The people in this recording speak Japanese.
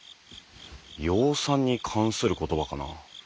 養蚕に関する言葉かな？